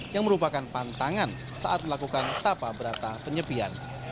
yang merupakan pantangan saat melakukan tapa berata penyepian